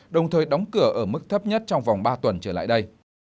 đồng thời đóng cửa ở mức thấp nhất trong vòng ba tuần trở lại đây